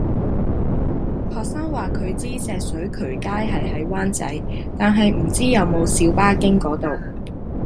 學生話佢知石水渠街係喺灣仔，但係唔知有冇小巴經嗰度